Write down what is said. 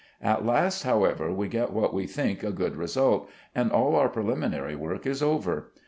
At last, however, we get what we think a good result, and all our preliminary work is over.